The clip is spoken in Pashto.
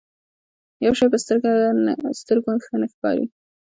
يو شی په سترګو ښه نه ښکاري.